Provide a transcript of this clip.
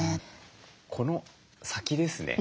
この先ですね